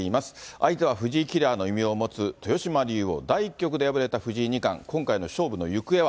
相手は藤井キラーの異名を持つ、豊島竜王、第１局で敗れた藤井二冠、今回の勝負の行方は。